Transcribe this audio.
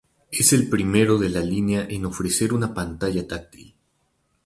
Es el primero de la línea en ofrecer una pantalla táctil.